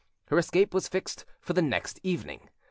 Her escape was fixed for the next evening.